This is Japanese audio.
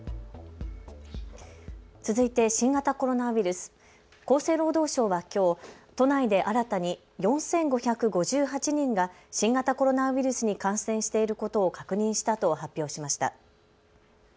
続いて新型コロナウイルス、厚生労働省はきょう都内で新たに４５５８人が新型コロナウイルスに感染していることを確認したと発表しました。